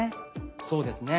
そうですね。